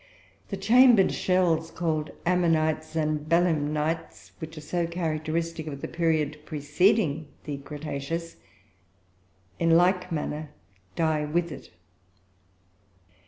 The chambered shells called ammonites and belemnites, which are so characteristic of the period preceding the cretaceous, in like manner die with it.